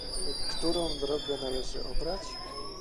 Którą drogę należy obrać?